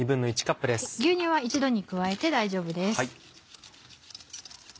牛乳は一度に加えて大丈夫です。